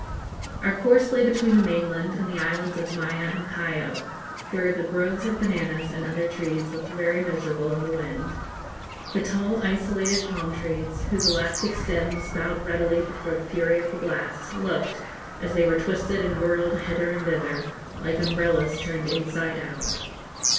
Our course lay between the mainland and the islands of Maya and Payo, where the groves of bananas and other trees looked very miserable in the wind. The tall isolated palm trees, whose elastic stems bowed readily before the fury of the blast, looked, as they were twisted and whirled hither and thither, like umbrellas turned inside out.